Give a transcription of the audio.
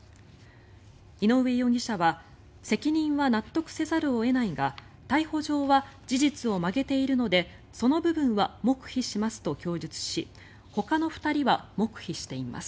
井上容疑者は責任は納得せざるを得ないが逮捕状は事実を曲げているのでその部分は黙秘しますと供述しほかの２人は黙秘しています。